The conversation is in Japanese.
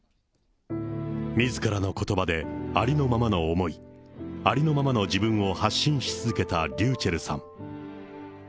みずからのことばで、ありのままの思い、ありのままの自分を発信し続けたｒｙｕｃｈｅｌｌさん。